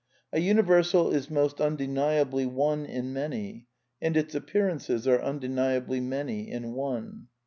A universal is most undeniably one inHf^ many, and its appearances are undeniably many in one.